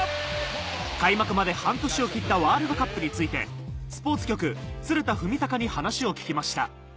開幕まで半年を切ったワールドカップについてスポーツ局鶴田史隆に話を聞きました